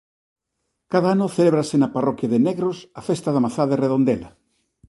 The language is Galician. Cada ano celébrase na parroquia de Negros a Festa da mazá de Redondela.